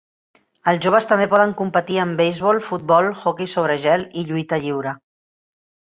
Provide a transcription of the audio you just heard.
Els joves també poden competir en beisbol, futbol, hoquei sobre gel i lluita lliure.